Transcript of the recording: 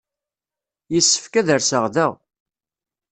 Yessefk ad rseɣ da.